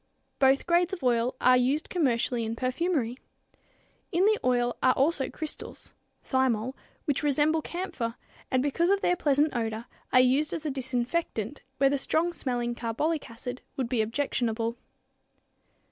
Both grades of oil are used commercially in perfumery. In the oil are also crystals (thymol), which resemble camphor and because of their pleasant odor are used as a disinfectant where the strong smelling carbolic acid would be objectionable.